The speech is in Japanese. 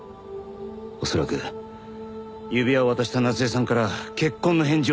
恐らく指輪を渡した夏恵さんから結婚の返事を聞くために。